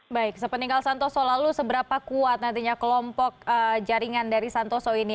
baik sepeninggal santoso lalu seberapa kuat nantinya kelompok jaringan dari santoso ini